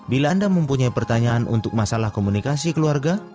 bila anda mempunyai pertanyaan untuk masalah komunikasi keluarga